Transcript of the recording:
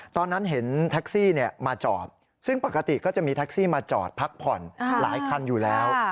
ตอนนั้นเห็นแท็กซี่มาจอดซึ่งปกติก็จะมีแท็กซี่มาจอดพักผ่อนหลายคันอยู่แล้ว